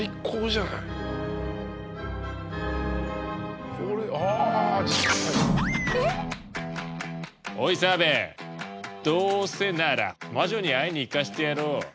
どうせなら魔女に会いに行かしてやろう。